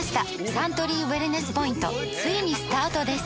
サントリーウエルネスポイントついにスタートです！